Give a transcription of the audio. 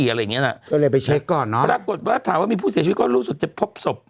อะไรอย่างเงี้น่ะก็เลยไปเช็คก่อนเนอะปรากฏว่าถามว่ามีผู้เสียชีวิตก็รู้สึกจะพบศพ